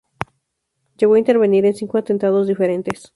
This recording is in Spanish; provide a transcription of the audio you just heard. Llegó a intervenir en cinco atentados diferentes.